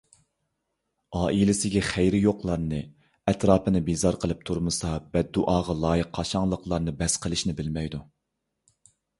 ئائىلىسىگە خەيرى يوقلارنى، ئەتراپنى بىزار قىلىپ تۇرمىسا بەددۇئاغا لايىق قاشاڭلىقلارنى بەس قىلىشنى بىلمەيدۇ.